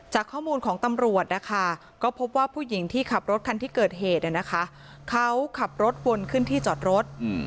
จากข้อมูลของตำรวจนะคะก็พบว่าผู้หญิงที่ขับรถคันที่เกิดเหตุเขาขับรถวนขึ้นที่จอดรถ